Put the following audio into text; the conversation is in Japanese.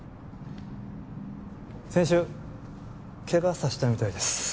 先週けがさしたみたいです。